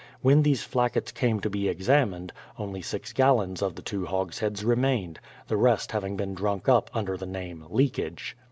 When these flackets came to be examined, only six gallons of the two hogsheads remained, the rest having been drunk up under the name "leakage."